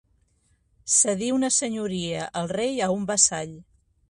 Cedir una senyoria el rei a un vassall.